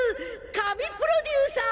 神プロデューサー？